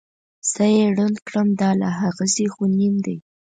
زه یې ړوند کړم دا لا هغسې خونین دی.